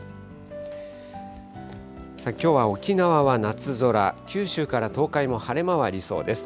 きょうは沖縄は夏空、九州から東海も晴れ間はありそうです。